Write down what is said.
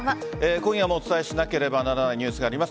今夜もお伝えしなければならないニュースがあります。